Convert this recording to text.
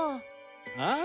ああ。